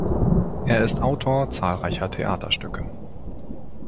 Er ist Autor zahlreicher Theaterstücke.